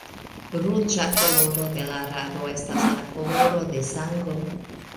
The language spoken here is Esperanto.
Ruĝa koloro de la rado estas la koloro de sango.